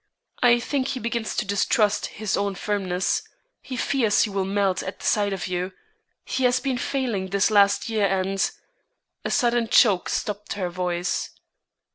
I think he begins to distrust his own firmness. He fears he will melt at the sight of you. He has been failing this last year and " A sudden choke stopped her voice.